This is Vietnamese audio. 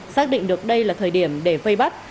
xác định được đây là thời điểm để vây bắt